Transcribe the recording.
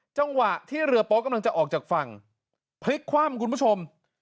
จังหวะที่เรือโป๊ะกำลังจะออกจากฝั่งพลิกคว่ำคุณผู้ชม